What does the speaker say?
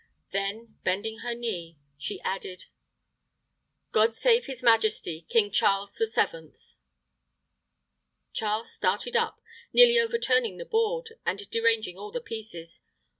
Then, bending her knee, she added, "God save his majesty, King Charles the Seventh!" Charles started up, nearly overturning the board, and deranging all the pieces.